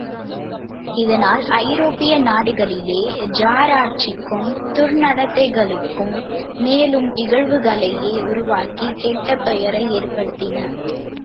இதனால், ஐரோப்பிய நாடுகளிலே ஜார் ஆட்சிக்கும் துர்நடத்தைகளுக்கும் மேலும் இகழ்வுகளே உருவாகி, கெட்ட பெயரை ஏற்படுத்தின.